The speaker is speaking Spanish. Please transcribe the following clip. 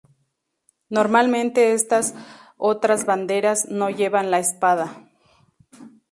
Normalmente estas otras banderas no llevan la espada.